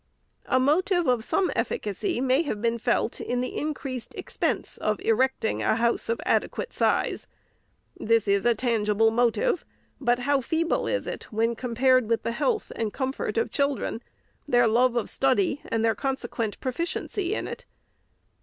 A motive of some efficacy may have been felt in the increased expense of erecting a house of adequate size. This is a tangible motive. But how feeble is it, when compared with the health and comfort of children, their love of study, and their consequent proficiency in it